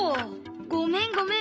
ごめんごめん。